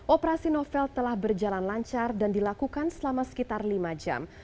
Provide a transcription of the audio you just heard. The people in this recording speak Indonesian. operasi novel telah berjalan lancar dan dilakukan selama sekitar lima jam